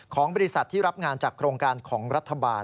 ของบริษัทที่รับงานจากโครงการของรัฐบาล